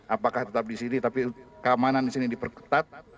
apakah tetap di sini tapi keamanan di sini diperketat